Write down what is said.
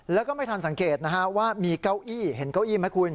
แล้วก็ไม่ทันสังเกตนะฮะว่ามีเก้าอี้เห็นเก้าอี้ไหมคุณ